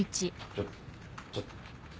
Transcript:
ちょっちょっ。